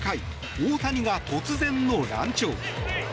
大谷が突然の乱調。